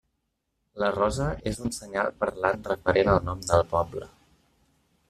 La rosa és un senyal parlant referent al nom del poble.